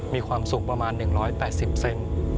มีความสูงประมาณ๑๘๐เซน